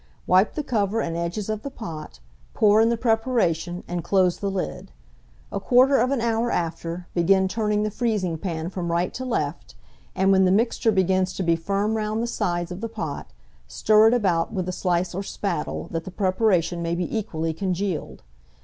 Wipe the cover and edges of the pot, pour in the preparation, and close the lid; a quarter of an hour after, begin turning the freezing pan from right to left, and when the mixture begins to be firm round the sides of the pot, stir it about with the slice or spattle, that the preparation may be equally congealed.